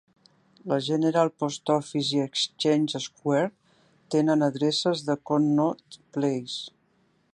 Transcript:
La General Post Office i Exchange Square tenen adreces de Connaught Place.